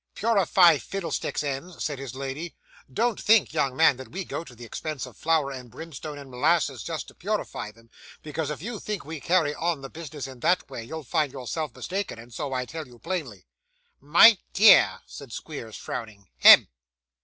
'Purify fiddlesticks' ends,' said his lady. 'Don't think, young man, that we go to the expense of flower of brimstone and molasses, just to purify them; because if you think we carry on the business in that way, you'll find yourself mistaken, and so I tell you plainly.' 'My dear,' said Squeers frowning. 'Hem!